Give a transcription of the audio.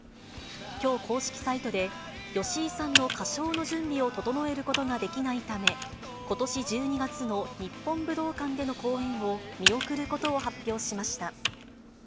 きょう公式サイトで、吉井さんの歌唱の準備を整えることができないため、ことし１２月の日本武道館での公演を見送ることを発表しました。